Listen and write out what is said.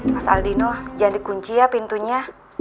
mas aldino jangan dikunci ya pintunya